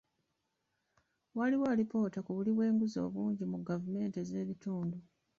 Waliwo alipoota ku buli bw'enguzi obungi mu gavumenti z'ebitundu.